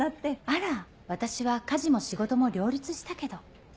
あら私は家事も仕事も両立したけど。